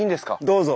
どうぞ。